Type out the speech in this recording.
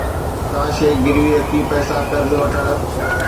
ڪا شيءِ گروي رکي پئسا قرض وٺڻ